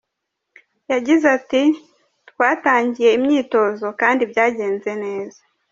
Yagize ati "Twatangiye imyitozo kandi byagenze neza.